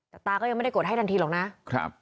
แต่ตาก็ยังไม่ได้กดให้ทันทีหรอกนะครับ